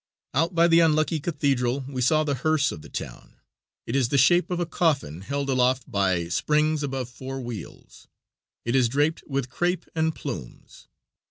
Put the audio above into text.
Out by the unlucky Cathedral we saw the hearse of the town. It is the shape of a coffin, held aloft by springs above four wheels. It is draped with crape and plumes.